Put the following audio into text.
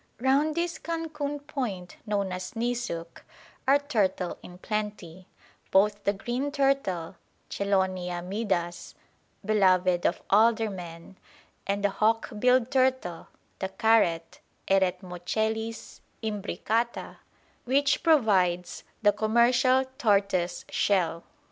Round this Cancun point, known as Nisuc, are turtle in plenty: both the green turtle (Chelonia midas), beloved of aldermen, and the hawk billed turtle, the caret (Eretmochelys imbricata), which provides the commercial tortoise shell.